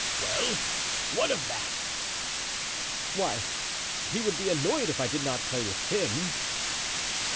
"Well, what of that?" "Why, he would be annoyed if I did not play with him."